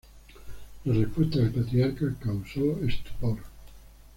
La respuesta del patriarca causó estupor.